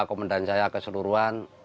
komendan saya keseluruhan